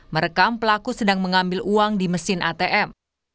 merekam pelaku sedang mengambil uang di mesin atm